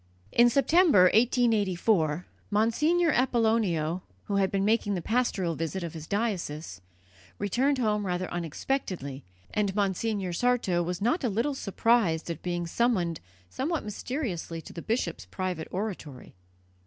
In September, 1884, Monsignor Apollonio, who had been making the pastoral visit of his diocese, returned home rather unexpectedly, and Monsignor Sarto was not a little surprised at being summoned somewhat mysteriously to the bishop's private oratory.